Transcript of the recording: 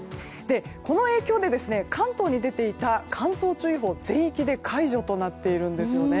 この影響で関東に出ていた乾燥注意報、全域で解除となっているんですよね。